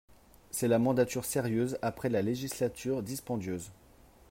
C’est la mandature sérieuse après la législature dispendieuse